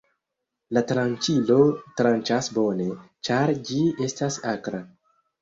La tranĉilo tranĉas bone, ĉar ĝi estas akra.